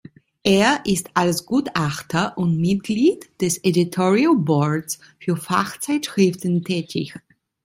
Er ist als Gutachter und Mitglied des Editorial Boards für Fachzeitschriften tätig.